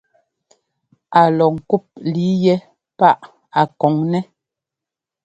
Á lɔ ŋkûp líi yɛ́ paʼa a kɔn nɛ́.